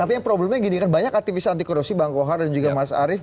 tapi yang problemnya gini kan banyak aktivis anti korupsi bang kohar dan juga mas arief